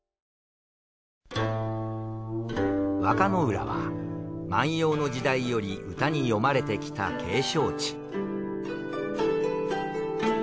和歌の浦は万葉の時代より歌に詠まれてきた景勝地。